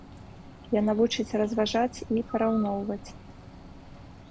Яна вучыць разважаць і параўноўваць.